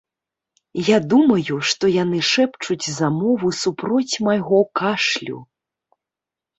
Я думаю, што яны шэпчуць замову супроць майго кашлю.